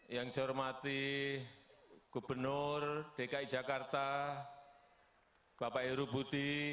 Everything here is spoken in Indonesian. yang saya hormati gubernur dki jakarta bapak heru budi